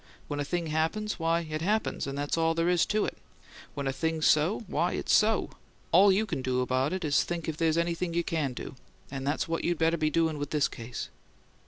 "When a thing happens, why, it happens, and that's all there is to it. When a thing's so, why, it's so. All you can do about it is think if there's anything you CAN do; and that's what you better be doin' with this case."